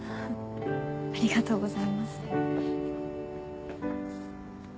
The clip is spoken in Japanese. ありがとうございます。